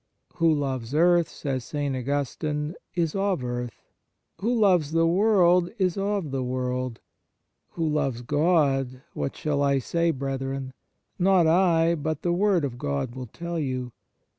" Who loves earth," says St. Augustine, " is of earth; who loves the world is of the world; who loves God, what shall I say, brethren ? Not I, but the word of God will tell you.